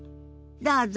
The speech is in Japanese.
どうぞ。